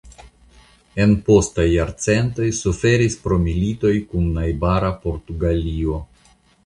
En postaj jarcentoj suferis pro militoj kun najbara Portugalio.